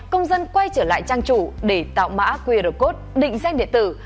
công dân quay trở lại trang chủ để tạo mã qr code định danh điện tử